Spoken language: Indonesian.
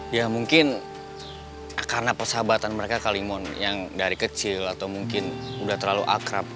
ya mungkin karena persahabatan mereka kalimon yang dari kecil atau mungkin udah terlalu akrab